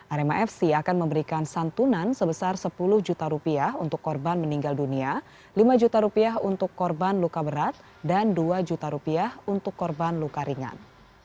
arema fc akan memberikan santunan sebesar sepuluh juta rupiah untuk korban meninggal dunia lima juta rupiah untuk korban luka berat dan dua juta rupiah untuk korban luka ringan